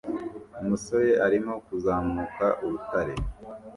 Umusore arimo kuzamuka urutare